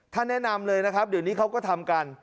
แนะนำเลยนะครับเดี๋ยวนี้เขาก็ทำกัน